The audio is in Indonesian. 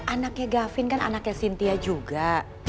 anaknya gavin kan anaknya cynthia juga